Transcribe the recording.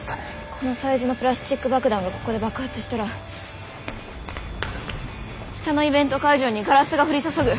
このサイズのプラスチック爆弾がここで爆発したら下のイベント会場にガラスが降り注ぐ。